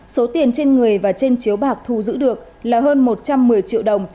số tiền trên người và trên chiếu bạc thu giữ được là hơn một trăm một mươi triệu đồng